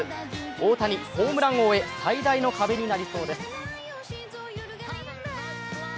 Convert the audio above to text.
大谷、ホームラン王へ最大の壁になりそうです。